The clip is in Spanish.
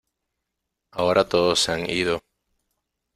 Ahora todos se han ido